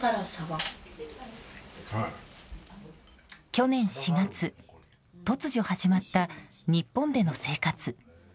去年４月突如始まった日本での生活。